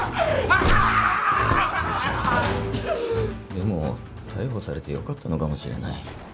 でも逮捕されてよかったのかもしれない。